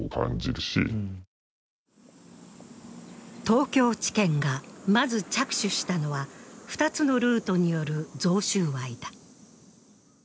東京地検がまず着手したのは、２つのルートによる贈収賄だ。